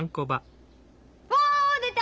わ出た！